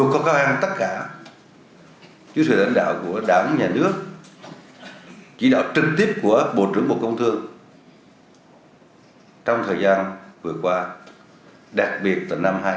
chỉ đạo trực tiếp của bộ trưởng bộ công thương trong thời gian vừa qua đặc biệt vào năm